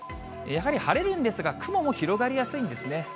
やはり晴れるんですが、雲も広がりやすいんですね。